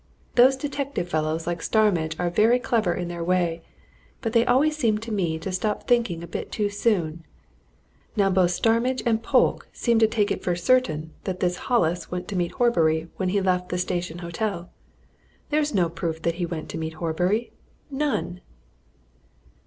Those detective fellows like Starmidge are very clever in their way, but they always seem to me to stop thinking a bit too soon. Now both Starmidge and Polke seem to take it for certain that this Hollis went to meet Horbury when he left the Station Hotel. There's no proof that he went to meet Horbury none!"